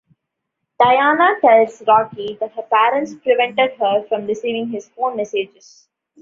Diana tells Rocky that her parents prevented her from receiving his phone messages.